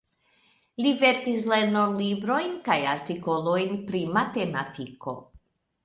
Li verkis lernolibrojn kaj artikolojn pri matematiko.